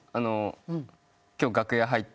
今日楽屋入って。